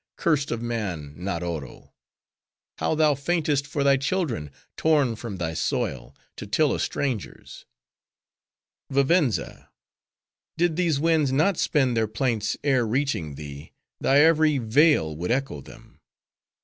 curst of man, not Oro! how thou faintest for thy children, torn from thy soil, to till a stranger's. Vivenza! did these winds not spend their plaints, ere reaching thee, thy every vale would echo them.